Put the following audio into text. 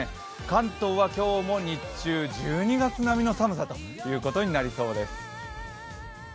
関東は今日も日中１２月並みの寒さとなりそうです。